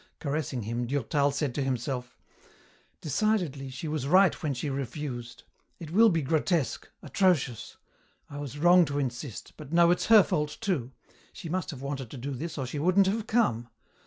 Caressing him, Durtal said to himself, "Decidedly, she was right when she refused. It will be grotesque, atrocious. I was wrong to insist, but no, it's her fault, too. She must have wanted to do this or she wouldn't have come.